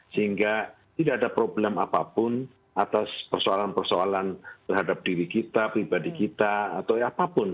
sehingga tidak ada problem apapun atas persoalan persoalan terhadap diri kita pribadi kita atau apapun